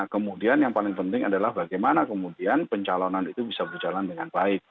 kemudian yang paling penting adalah bagaimana kemudian pencalonan itu bisa berjalan dengan baik